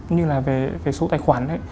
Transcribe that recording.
như là về số tài khoản ấy